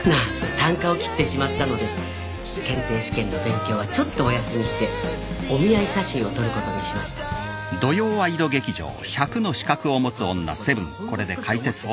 タンカを切ってしまったので検定試験の勉強はちょっとお休みしてお見合い写真を撮ることにしましたええ心の底ではほんの少し思ってるんです